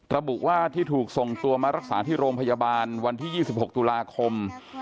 ระบุว่าที่ถูกส่งตัวมารักษาที่โรงพยาบาลวันที่๒๖ตุลาคม